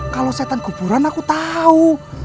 kalau setan kuburan aku tahu